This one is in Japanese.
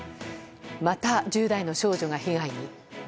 また、１０代の少女が被害に。